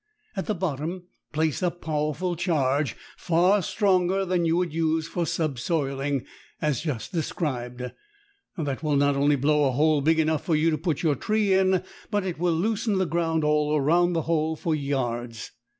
At the bottom place a powerful charge, far stronger than you would use for "subsoiling," as just described. That will not only blow a hole big enough for you to put your tree in, but it will loosen the ground all around the hole for yards.